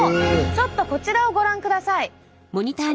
ちょっとこちらをご覧ください！